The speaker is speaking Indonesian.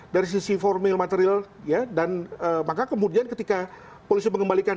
dari sisi formil material dan maka kemudian ketika polisi mengembalikan